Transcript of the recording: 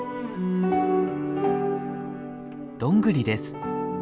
ドングリです。